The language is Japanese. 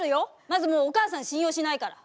まず、もうお母さん信用しないから。